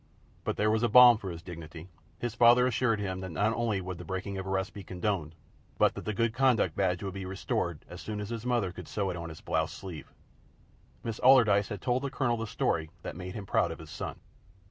But there was balm for his dignity. His father assured him that not only would the breaking of arrest be condoned, but that the good conduct badge would be restored as soon as his mother could sew it on his blouse sleeve. Miss Allardyce had told the Colonel a story that made him proud of his son.